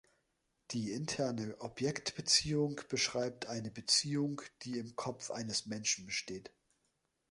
Die interne Objektbeziehung beschreibt eine Beziehung, die im Kopf eines Menschen besteht.